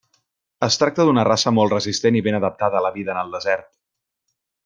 Es tracta d'una raça molt resistent i ben adaptada a la vida en el desert.